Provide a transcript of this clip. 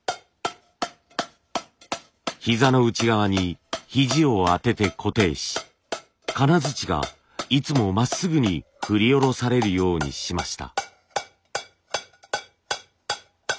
膝の内側に肘を当てて固定し金づちがいつもまっすぐに振り下ろされるようにしました。